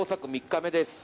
３日目です。